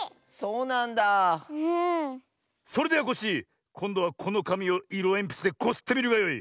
それではコッシーこんどはこのかみをいろえんぴつでこすってみるがよい。